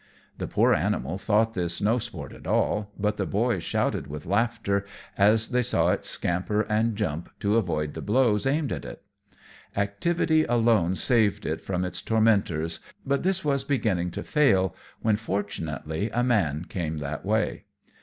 The poor animal thought this no sport at all, but the boys shouted with laughter as they saw it scamper and jump to avoid the blows aimed at it. Activity alone saved it from its tormentors; but this was beginning to fail, when, fortunately, a man came that way.